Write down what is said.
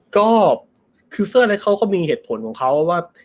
ก็คือเสื้อเล็กเขาก็มีเหตุผลของเขาว่า